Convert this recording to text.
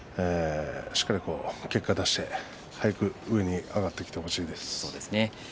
結果を出して早く上に上がってきてほしいです。